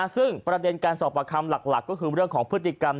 ซึ่งประเด็นการสอบประคำหลักก็คือเรื่องของพฤติกรรม